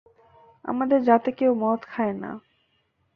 আমাদের জাতে কেউ মদ খায় না।